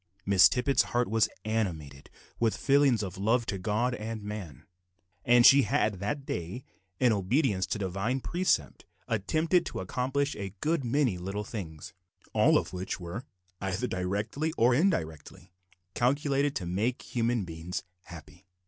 Miss Tippet's heart was animated with feelings of love to God and man; and she had that day, in obedience to the Divine precept, attempted and accomplished a good many little things, all of which were, either directly or indirectly, calculated to make human beings happy.